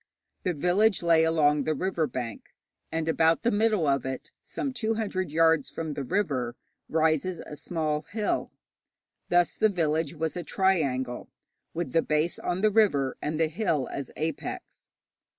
The village lay along the river bank, and about the middle of it, some two hundred yards from the river, rises a small hill. Thus the village was a triangle, with the base on the river, and the hill as apex.